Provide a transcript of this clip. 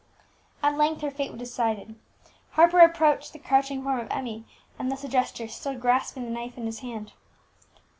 At length her fate was decided. Harper approached the crouching form of Emmie, and thus addressed her, still grasping the knife in his hand.